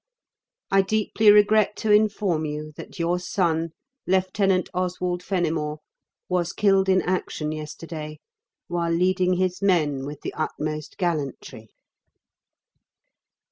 "I deeply regret to inform you that your son, Lieutenant Oswald Fenimore, was killed in action yesterday while leading his men with the utmost gallantry."